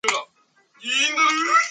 Presently, Vittal is a municipality.